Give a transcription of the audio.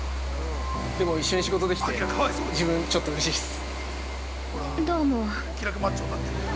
でも、一緒に仕事できて自分、ちょっとうれしいっす。